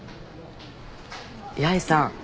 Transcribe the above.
八重さん